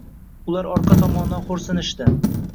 Ular orqa tomondan xo'rsinishdi